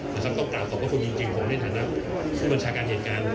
ผมต้องกลับขอบคุณจริงจริงผมในฐานะผู้บัญชาการเหตุการณ์